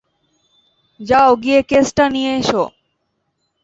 যাও গিয়ে কেসটা নিয়ে এসো।